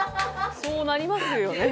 そうなりますよね。